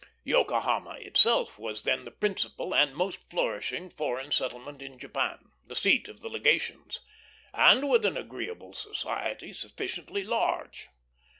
Yokohama itself was then the principal and most flourishing foreign settlement in Japan, the seat of the legations, and with an agreeable society sufficiently large.